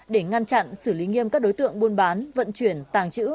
để ngăn chặn xử lý nghiêm các đối tượng buôn bán vận chuyển tàng trữ